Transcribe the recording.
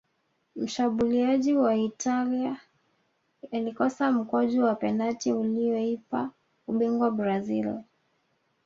mshabuliaji wa italia alikosa mkwaju wa penati ulioipa ubingwa brazil